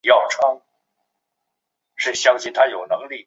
吕伊涅人口变化图示